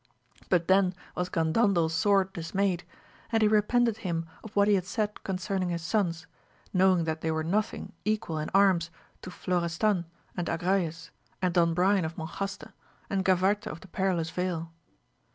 But then was VOL. n. ^ 130 AMADIS OF GAUL. Gandandel sore dismayed, and he repented him of what he had said concerning his sons, knowing that they were nothing equal in arms to Florestan and Agrayes, and Don Brian of Monjaste, and Gavarte of the Perilous Vale.